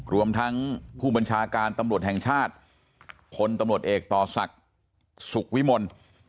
รวมทั้งผู้บัญชาการตำรวจแห่งชาติพลตำรวจเอกต่อศักดิ์สุขวิมล